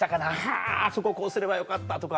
あそここうすればよかった」とか。